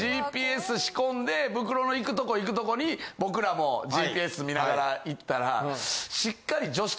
ＧＰＳ仕込んでブクロの行くとこ行くとこに僕らもＧＰＳ見ながら行ったら。